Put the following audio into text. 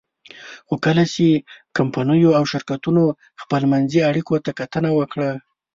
خو کله چې کمپنیو او شرکتونو خپلمنځي اړیکو ته کتنه وکړه.